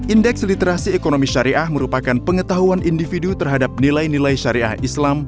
indeks literasi ekonomi syariah merupakan pengetahuan individu terhadap nilai nilai syariah islam